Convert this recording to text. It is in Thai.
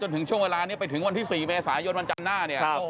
จนถึงช่วงเวลานี้ไปถึงวันที่๔เมษายนวันจำหน้า